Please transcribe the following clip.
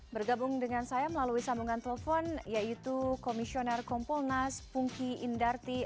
bergabung dengan saya melalui sambungan telepon yaitu komisioner kompolnas pungki indarti